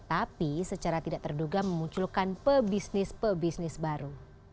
tapi secara tidak terduga memunculkan pebisnis pebisnis baru